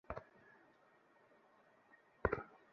রাহুল প্রতি মঙ্গলবার তার আপনজনদের সাথে দেখা করতে যায়।